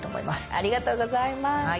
ありがとうございます。